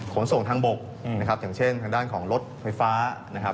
ขนส่งทางบกนะครับอย่างเช่นทางด้านของรถไฟฟ้านะครับ